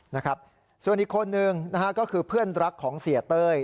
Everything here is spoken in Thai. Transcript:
นะครับส่วนอีกคนนึงนะฮะก็คือเพื่อนรักของเสียเต้ย